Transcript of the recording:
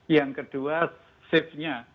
yang kedua shift nya